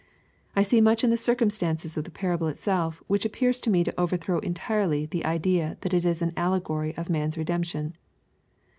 I see much in the circumstances of the parable itself which appears to me to overthrow entirely the idea that it is an allegory of man*s redemption.